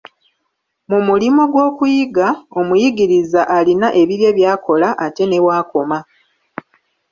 Mu mulimo gw'okuyiga, omuyigiriza alina ebibye by'akola ate ne w'akoma.